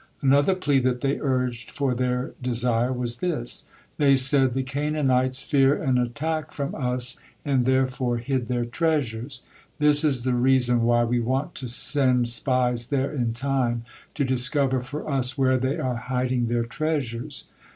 Another plea that they urged for their desire was this. They said: "The Canaanites fear an attack from us and therefore hid their treasures. This is the reason why we want to sent spies there in time, to discover for us where they are hiding their treasures."